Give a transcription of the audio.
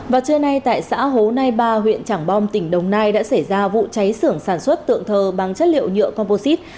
vào trưa nay tại xã hố nai ba huyện trảng bom tỉnh đồng nai đã xảy ra vụ cháy sưởng sản xuất tượng thờ bằng chất liệu nhựa composite